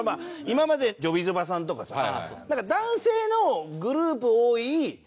今までジョビジョバさんとかさ男性のグループ多い人たちはなんか僕らも。